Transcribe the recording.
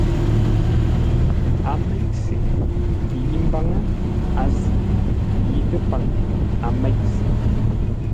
A mêʼ se; yi mbaŋə́, a zʉ̂, yi təpaŋ, a mêʼ se.